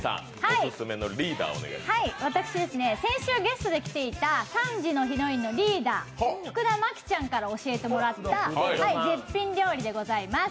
私、先週ゲストできていた３時のヒロインのリーダー福田麻貴ちゃんから教えてもらった絶品料理でございます。